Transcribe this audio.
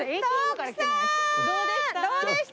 どうでした？